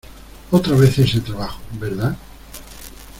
otra vez ese trabajo, ¿ verdad?